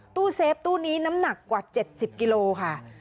ตู้เซฟตู้นี้น้ำหนักกว่า๗๐กิโลค่ะ